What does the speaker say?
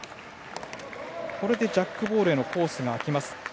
これでジャックボールへのコースが空きました。